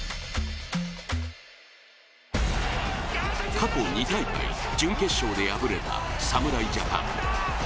過去２大会、準決勝で敗れた侍ジャパン。